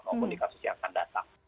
maupun dikasus yang akan datang